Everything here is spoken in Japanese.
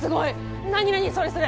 何何それそれ！